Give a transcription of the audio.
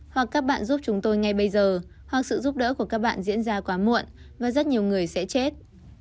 hoặc các bạn giúp chúng tôi ngay bây giờ hoặc sự giúp đỡ của các bạn diễn ra quá muộn và rất nhiều người sẽ chết